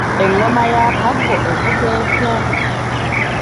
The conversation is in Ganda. Engoma ya Kaggo evuga etya?